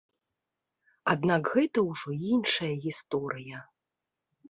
Аднак гэта ўжо іншая гісторыя.